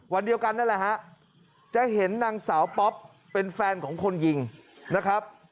วันเดียวกันนั่นแหละฮะจะเห็นนางสาวป๊อปเป็นแฟนของคนยิงนะครับ